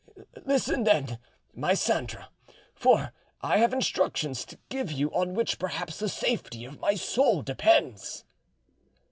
Listen then, my Sandra, for I have instructions to give you on which perhaps the safety of my soul depends."